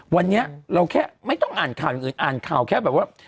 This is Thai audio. วันนี้เราแค่ไม่ต้องอ่านข่าวอื่นอ่านข่าวแค่แบบว่า